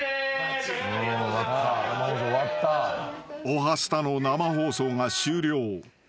［『おはスタ』の生放送が終了］